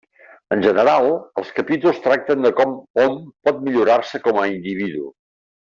En general, els capítols tracten de com hom pot millorar-se com a individu.